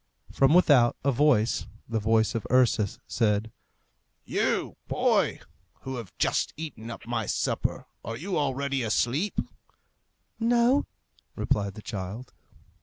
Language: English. From without, a voice, the voice of Ursus, said, "You, boy, who have just eaten up my supper, are you already asleep?" "No," replied the child.